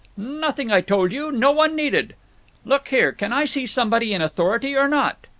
"Nothing, I told you. No one needed." "Look here; can I see somebody in authority or not?"